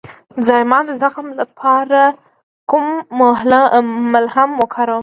د زایمان د زخم لپاره کوم ملهم وکاروم؟